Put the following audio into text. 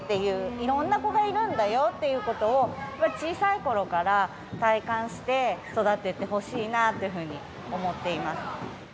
いろんな子がいるんだよってことを、小さいころから体感して育ててほしいなというふうに思っています。